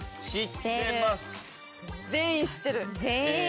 全員知ってる？